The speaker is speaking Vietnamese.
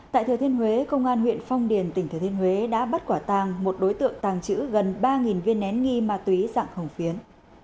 tại thừa thiên huế công an huyện phong điền tỉnh thừa thiên huế đã bắt quả tàng một đối tượng tàng trữ gần ba viên nén nghi ma túy dạng hồng phiến